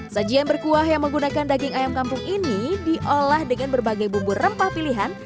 sajian berkuah yang menggunakan daging ayam kampung ini diolah dengan berbagai bumbu rempah pilihan